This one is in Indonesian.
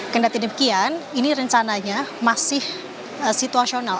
kena tidak demikian ini rencananya masih situasional